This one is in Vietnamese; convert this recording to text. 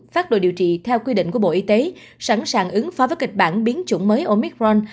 phát đồ điều trị theo quy định của bộ y tế sẵn sàng ứng phó với kịch bản biến chủng mới omicron